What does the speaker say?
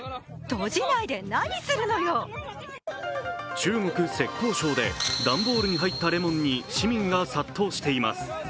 中国・浙江省で段ボールに入ったレモンに市民が殺到しています。